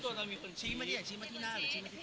ชิมมะที่เอนชิมมะที่หน้าหรือเกล้า